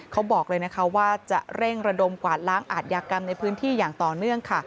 เขาบอกเลยนะคะว่าจะเร่งระดมกวาดล้างอาทยากรรมในพื้นที่อย่างต่อเนื่องค่ะ